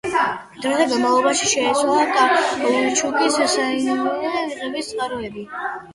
დროთა განმავლობაში შეიცვალა კაუჩუკის სინთეზურად მიღების წყაროები.